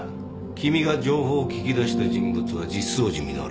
君が情報を聞き出した人物は実相寺実。